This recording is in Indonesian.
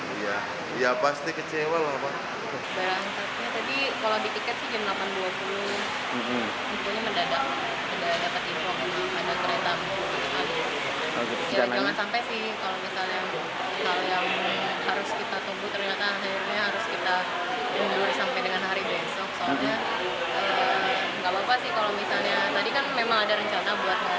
tiketnya udah gak bisa kita ganti kalau mendadak gitu